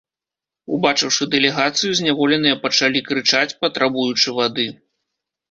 Убачыўшы дэлегацыю, зняволеныя пачалі крычаць, патрабуючы вады.